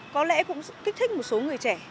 có lẽ cũng kích thích một số người trẻ làm cái việc đấy